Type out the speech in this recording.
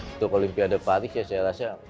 untuk olimpiade paris ya saya rasa